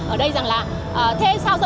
ở đây rằng là thế sao dân cư ở đây